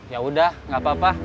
yaudah gak apa apa